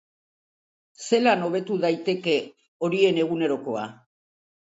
Zelan hobetu daiteke horien egunerakoa?